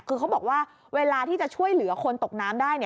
คือเขาบอกว่าเวลาที่จะช่วยเหลือคนตกน้ำได้